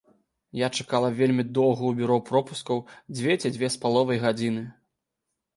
Я чакала вельмі доўга ў бюро пропускаў, дзве ці дзве з паловай гадзіны.